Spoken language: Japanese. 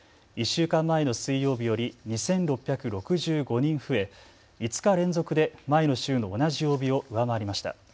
１週間前の水曜日より２６６５人増え、５日連続で前の週の同じ曜日を上回りました。